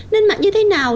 nên mặc như thế nào